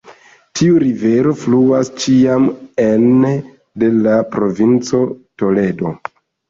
Tiu rivero fluas ĉiam ene de la provinco Toledo.